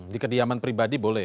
di kediaman pribadi boleh